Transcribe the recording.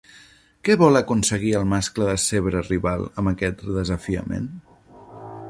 Què vol aconseguir el mascle zebra rival amb aquest desafiament?